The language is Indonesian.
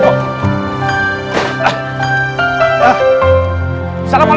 bapak security bawa